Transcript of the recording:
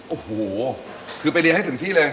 โอ้โหคือไปเรียนให้ถึงที่เลย